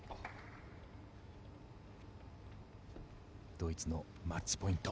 ドイツのマッチポイント。